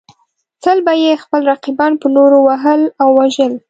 تل به یې خپل رقیبان په نورو وهل او وژل.